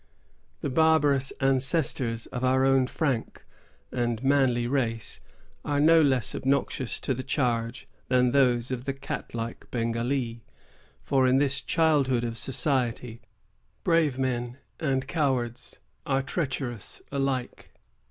The barbarous ancestors of our own frank and manly race are no less obnoxious to the charge than those of the cat like Bengalee; for in this childhood of society brave men and cowards are treacherous alike.